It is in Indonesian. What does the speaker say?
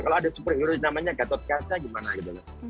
kalau ada superheroy namanya gatot kaca gimana gitu loh